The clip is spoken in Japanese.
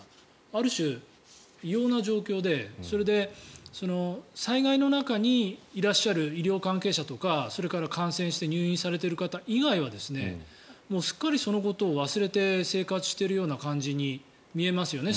ある種、異様な状況でそれで災害の中にいらっしゃる医療関係者とかそれから感染して入院されている方以外はもうすっかりそのことを忘れて生活しているような感じに見えますよね。